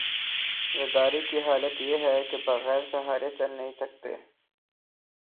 زرداری کی حالت یہ ہے کہ بغیر سہارے چل نہیں سکتے۔